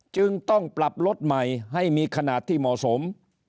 จึงต้องปรับรถใหม่ให้มีขนาดที่เหมาะสม